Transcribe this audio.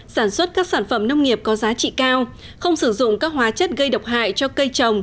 sản xuất các sản phẩm nông nghiệp có giá trị cao không sử dụng các hóa chất gây độc hại cho cây trồng